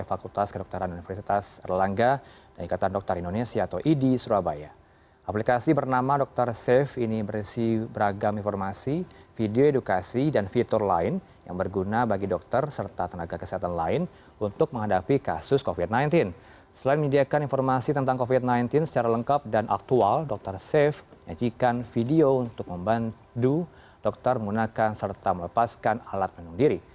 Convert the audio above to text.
aplikasi tentang covid sembilan belas secara lengkap dan aktual dr saif menyajikan video untuk membantu dokter menggunakan serta melepaskan alat penyelam diri